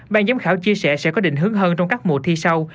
ban giám khảo chia sẻ sẽ có định hướng hơn trong các mùa thi sau